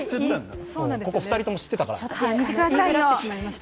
ここ、２人とも知っていたから。